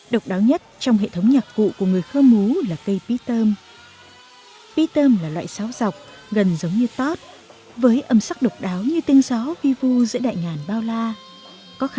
độc đáo nhất trong hệ thống nhạc vụ khá phong phú của đảng và bác hồ